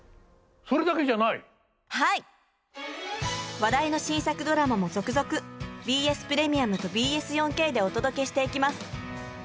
話題の新作ドラマも続々ＢＳプレミアムとＢＳ４Ｋでお届けしていきます。